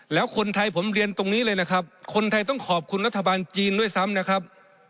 แล้วคนไทยผมเรียนตรงนี้เลยนะครับคนไทยต้องขอบคุณรัฐบาลจีนด้วยซ้ำนะครับ